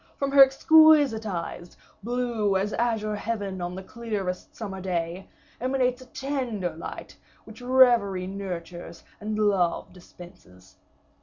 From her exquisite eyes, blue as azure heaven on the clearest summer day, emanates a tender light, which reverie nurtures, and love dispenses.